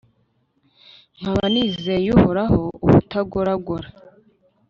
nkaba nizeye uhoraho ubutagoragora